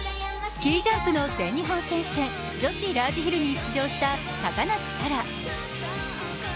スキージャンプの全日本選手権、女子ラージヒルに出場した高梨沙羅。